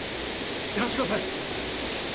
やらしてください！